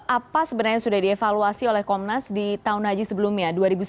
apa sebenarnya sudah dievaluasi oleh komnas di tahun haji sebelumnya dua ribu sembilan belas